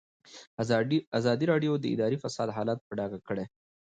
ازادي راډیو د اداري فساد حالت په ډاګه کړی.